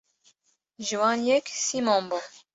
Ji wan yek Sîmon bû.